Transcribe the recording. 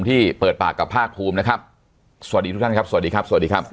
ที่เปิดปากกับภาคภูมินะครับสวัสดีทุกท่านครับสวัสดีครับสวัสดีครับ